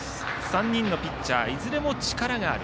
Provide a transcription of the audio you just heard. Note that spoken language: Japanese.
３人のピッチャーいずれも力のある。